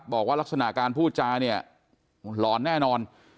บอกว่าลักษณะการพูดจาเนี่ยหลอนแน่นอน